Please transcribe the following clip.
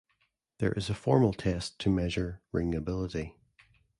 There is a formal test to measure wringability.